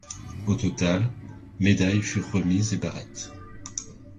Au total, médailles furent remises et barrettes.